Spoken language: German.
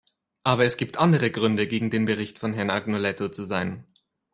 Aber es gibt andere Gründe, gegen den Bericht von Herrn Agnoletto zu sein.